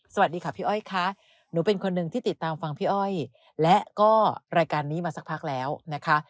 สวัสดีค่ะพี่อ้อยค่ะหนูเป็นคนหนึ่งที่ติดตามฟังพี่อ้อยและก็รายการนี้มาสักพักแล้วนะคะ